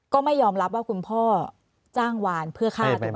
ก็ไม่ยอมรับว่าคุณพ่อจ้างวานเพื่อฆ่าถูกไหม